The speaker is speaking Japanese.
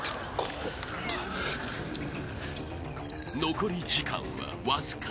［残り時間はわずか。